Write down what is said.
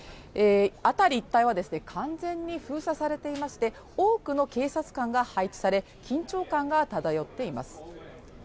辺り一帯は完全に封鎖されていまして多くの警察官が配置され、緊張感が漂っています。